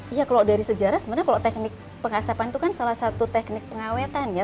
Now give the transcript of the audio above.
iya kalau dari sejarah sebenarnya kalau teknik pengasapan itu kan salah satu teknik pengawetan ya